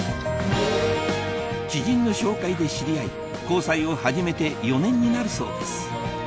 知人の紹介で知り合い交際を始めて４年になるそうです